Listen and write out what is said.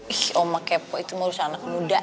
ih oma kepo itu mau urusan anak muda